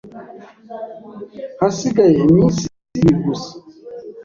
Hasigaye iminsi ibiri gusa.